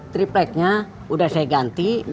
tripletnya udah saya ganti